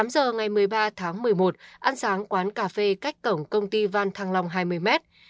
tám giờ ngày một mươi ba tháng một mươi một ăn sáng quán cà phê cách cổng công ty văn thăng long hai mươi m